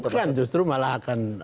bukan justru malah akan diikuti